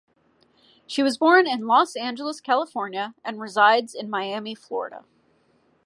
She was born in Los Angeles, California, and resides in Miami, Florida.